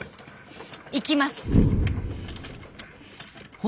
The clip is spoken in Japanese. いきます！